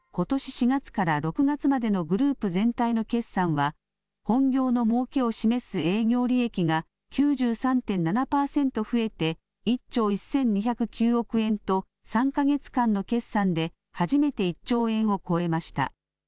４月から６月までのグループ全体の決算は本業のもうけを示す営業利益が９３．７％増えて１兆１２０９億円と３か月間の決算で初めて１兆円を超えました。